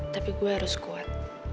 tapi gue harus kuat